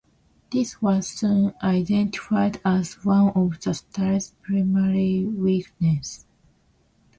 This was soon identified as one of the style's primary weaknesses.